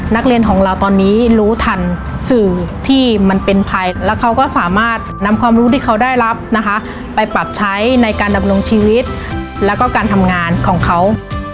นักเรียนของเราตอนนี้รู้ทันสื่อที่มันเป็นภัยแล้วเขาก็สามารถนำความรู้ที่เขาได้รับนะคะไปปรับใช้ในการดำรงชีวิตแล้วก็การทำงานของเขา